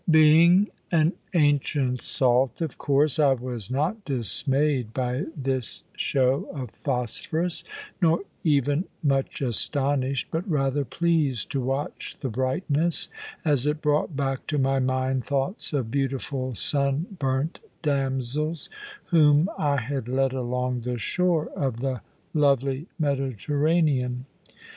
Being an ancient salt, of course I was not dismayed by this show of phosphorus, nor even much astonished, but rather pleased to watch the brightness, as it brought back to my mind thoughts of beautiful sunburnt damsels whom I had led along the shore of the lovely Mediterranean.